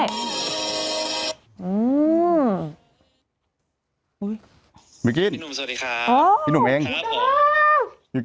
โอ๊ยโอ๋ยหนุ่มสวัสดีครับน้องน้องเองเนี้ยเขาครับผม